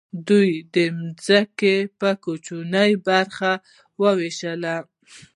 دوی ځمکې په کوچنیو برخو وویشلې.